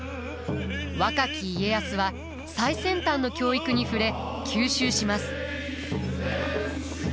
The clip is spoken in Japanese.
若き家康は最先端の教育に触れ吸収します。